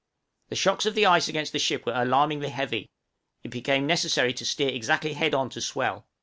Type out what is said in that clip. The shocks of the ice against the ship were alarmingly heavy; it became necessary to steer exactly head on to swell.